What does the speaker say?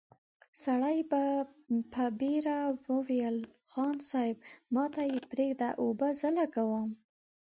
سړي په بېړه وويل: خان صيب، ماته يې پرېږده، اوبه زه لګوم!